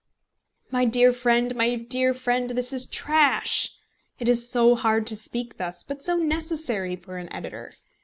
"My dear friend, my dear friend, this is trash!" It is so hard to speak thus, but so necessary for an editor!